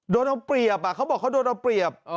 โดนเอาเปรียบเขาบอกเขาโดนเอาเปรียบ